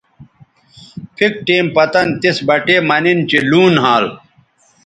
پِھک ٹیم پتَن تِس بٹے مہ نِن چہء لوں نھال